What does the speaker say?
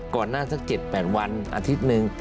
ก่อนหน้าสัก๗๘วันอาทิตย์หนึ่ง